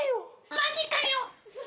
マジかよ！